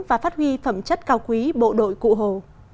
và phát huy phẩm chất cao quý bộ đội cụ hồ